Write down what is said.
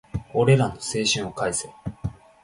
俺らの青春を返せ